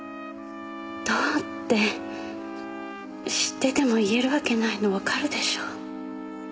どうって知ってても言えるわけないのわかるでしょう？